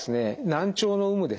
難聴の有無ですね。